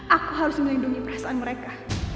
aku harus melindungi perasaan mereka